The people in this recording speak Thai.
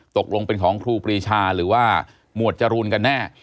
ตกลงเป็นของครูปรีชาหรือว่าหมวดจรูนกันแน่